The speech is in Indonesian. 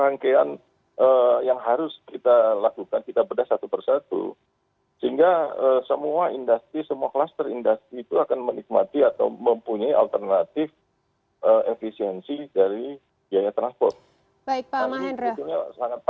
nah kalau kita tarik secara makro maka total inventory carrying cost itu bisa lebih cepat